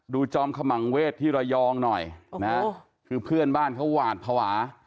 จอมขมังเวศที่ระยองหน่อยนะคือเพื่อนบ้านเขาหวาดภาวะ